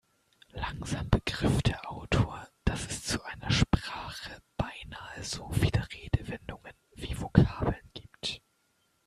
Langsam begriff der Autor, dass es zu einer Sprache beinahe so viele Redewendungen wie Vokabeln gibt.